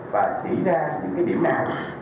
và chỉ ra những điểm nào